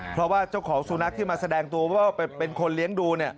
เพราะว่าเจ้าของสุนัขที่มาแสดงตัวว่าเป็นคนเลี้ยงดู